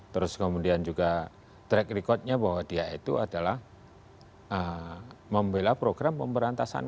terus kemudian juga track recordnya bahwa dia itu adalah membela program pemberantasan